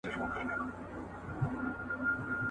ډاکټران د ناروغانو لپاره دقیق تصمیم نیسي.